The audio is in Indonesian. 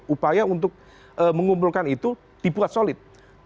upaya untuk mengumpulkan itu dibuat solid